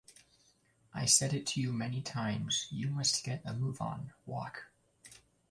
I said it to you many times: you must get a move on, walk.